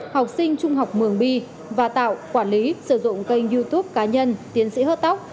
học sinh trung học mường bi và tạo quản lý sử dụng kênh youtube cá nhân tiến sĩ hớt tóc